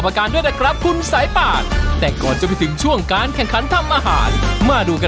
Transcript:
เพราะฉะนั้นเดี๋ยวมาดูกันว่าวันนี้นะคะ